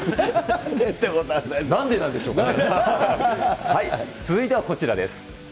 なんでなんでしょうかね。